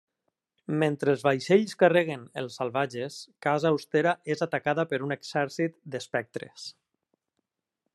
Mentre els vaixells carreguen els salvatges, Casa Austera és atacada per un exèrcit d'espectres.